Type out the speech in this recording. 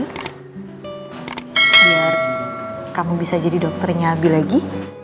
biar kamu bisa jadi dokternya abi lagi